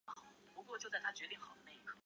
马聚垣遗址的历史年代为马家窑类型。